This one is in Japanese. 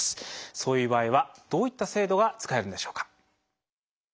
そういう場合はどういった制度が使えるんでしょうか？